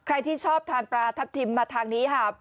ใครที่ชอบทานปลาทับทิมมาทางนี้ค่ะ